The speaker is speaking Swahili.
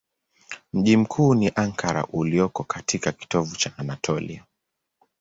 Mji mkuu ni Ankara ulioko katika kitovu cha Anatolia.